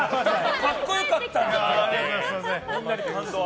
格好良かったの！